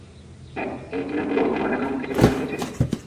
হ্যাঁঁ এই ইমেইলগুলো তোমার একাউন্ট থেকে পাঠানো হয়েছে?